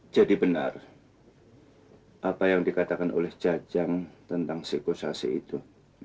jadi benar apa yang dikatakan oleh cajang tentang sikusasi itu